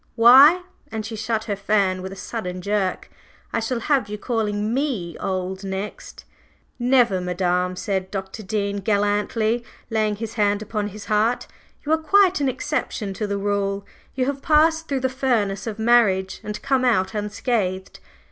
Why," and she shut her fan with a sudden jerk, "I shall have you calling me old next." "Never, madam!" said Dr. Dean gallantly laying his hand upon his heart. "You are quite an exception to the rule. You have passed through the furnace of marriage and come out unscathed.